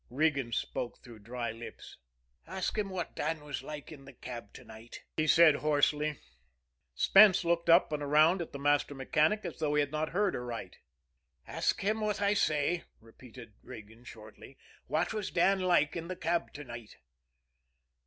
Regan spoke through dry lips. "Ask him what Dan was like in the cab to night," he said hoarsely. Spence looked up and around at the master mechanic, as though he had not heard aright. "Ask him what I say," repeated Regan shortly. "What was Dan like in the cab to night?"